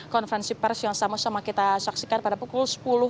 konferensi pers yang sama sama kita saksikan pada pukul sepuluh